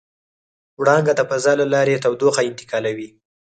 وړانګه د فضا له لارې تودوخه انتقالوي.